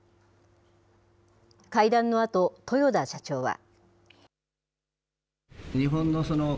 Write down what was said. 会談のあと、豊田社長は。